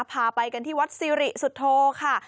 พาไปกันที่วัดสิริสุทธโธค่ะ